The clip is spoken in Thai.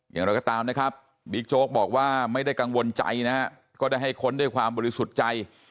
อย่างไรก็ตามนะครับบิ๊กโจ๊กบอกว่าไม่ได้กังวลใจนะฮะก็ได้ให้ค้นด้วยความบริสุทธิ์ใจ